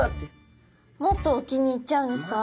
もっと沖に行っちゃうんですか？